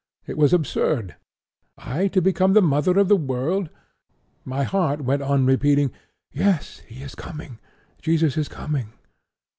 It was absurd. I to become the mother of the World! My heart went on repeating: "Yes, he is coming; Jesus is coming!"'